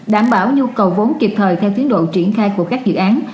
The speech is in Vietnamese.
đảm bảo nhu cầu vốn kịp thời theo tiến độ triển khai của các dự án